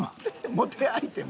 モテアイテム？